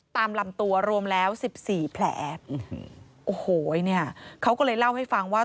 ตามลำตัวรวมแล้วสิบสี่แผลโอ้โหเนี่ยเขาก็เลยเล่าให้ฟังว่า